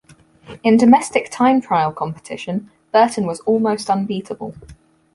In domestic time trial competition, Burton was almost unbeatable.